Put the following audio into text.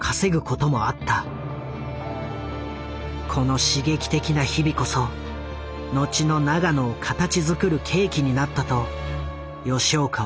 この刺激的な日々こそ後の永野を形づくる契機になったと吉岡は確信している。